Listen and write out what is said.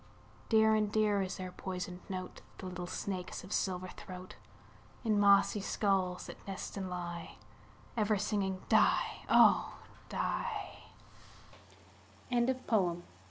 Dear and dear is their poisoned note, The little snakes' of silver throat, In mossy skulls that nest and lie, Ever singing "die, oh!